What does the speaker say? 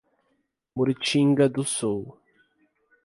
Murutinga do Sul